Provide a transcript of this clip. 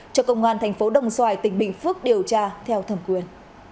cho công an thành phố đồng xoài tỉnh bình phước điều tra theo thẩm quyền